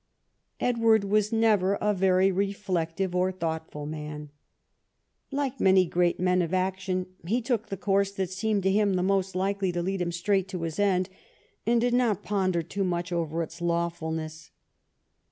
Edward was never a very reflective or thoughtful man. Like many great men of action, he took the course that seemed to him the most likely to lead him straight to his end, and did not ponder too much over its lawfulness.